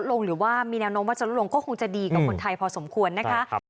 หรือว่ามีแนวโน้มว่าจะลดลงก็คงจะดีกับคนไทยพอสมควรนะคะ